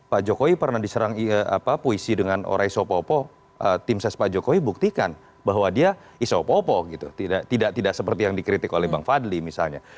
pak jokowi pernah diserang puisi dengan oresopopo tim ses pak jokowi buktikan bahwa dia iso opopo gitu tidak seperti yang dikritik oleh bang fadli misalnya